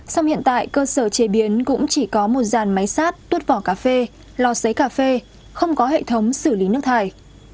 song hiện tại cơ sở chế biến cũng chỉ có một dàn máy sát tuốt vỏ cà phê lò xấy cà phê không có hệ thống xử lý nước thải